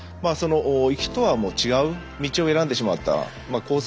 行きとは違う道を選んでしまったコース